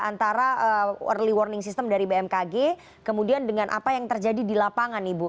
antara early warning system dari bmkg kemudian dengan apa yang terjadi di lapangan ibu